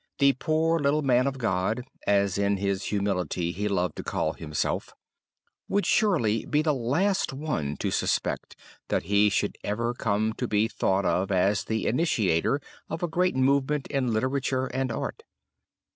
"The poor little man of God," as in his humility he loved to call himself, would surely be the last one to suspect that he should ever come to be thought of as the initiator of a great movement in literature and art.